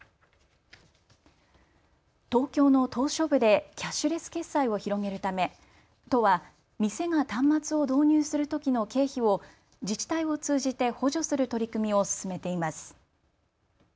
東京の島しょ部でキャッシュレス決済を広げるため都は店が端末を導入するときの経費を自治体を通じて補助する取り組みを進めています。